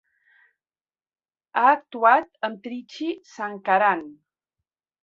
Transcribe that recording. Ha actuat amb Trichy Sankaran.